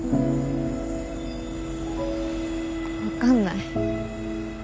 分かんない。